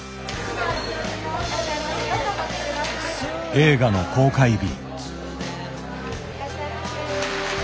映画の公開日。